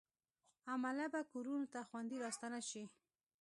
عمله به کورونو ته خوندي راستانه شي.